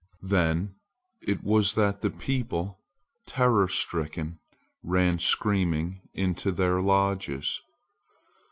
Then it was that the people, terror stricken, ran screaming into their lodges.